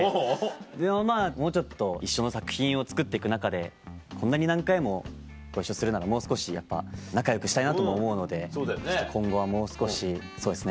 でもまぁもうちょっと一緒の作品を作って行く中でこんなに何回もご一緒するならもう少しやっぱ仲よくしたいなとも思うので今後はもう少しそうですね